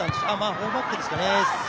フォーバックですかね。